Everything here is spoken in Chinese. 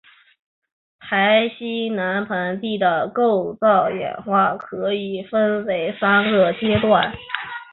台西南盆地的构造演化可以分为三个阶段。